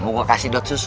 mau gue kasih dot susu